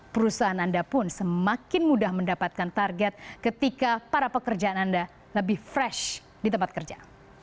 perusahaan anda pun semakin mudah mendapatkan target ketika para pekerjaan anda lebih fresh di tempat kerja